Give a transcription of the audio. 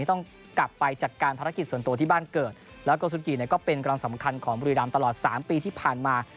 ต้องกลับไปจัดการภารกิจส่วนตัวที่บ้านเกิดแล้วก็ซุกิเนี่ยก็เป็นกำลังสำคัญของบุรีรำตลอด๓ปีที่ผ่านมา